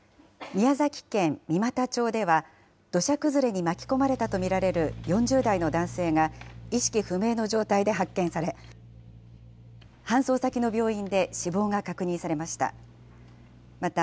宮崎県三股町では土砂崩れに巻き込まれたとみられる４０代の男性が意識不明の状態で発見され搬送先の病院で死亡が確認されました。